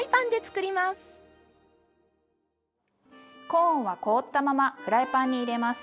コーンは凍ったままフライパンに入れます。